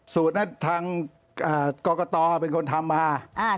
สูตรนั้นทางกรกตเป็นคนทำมา